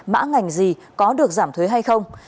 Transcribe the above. mã ngành gì có được giảm thuế hay không